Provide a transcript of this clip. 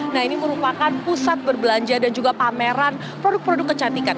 nah ini merupakan pusat berbelanja dan juga pameran produk produk kecantikan